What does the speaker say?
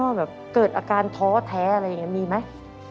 ทำให้พ่อแบบเกิดอาการท้อแท้อะไรอย่างนี้มีไหม